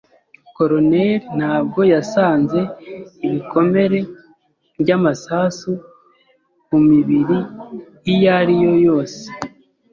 Coroner ntabwo yasanze ibikomere by'amasasu ku mibiri iyo ari yo yose.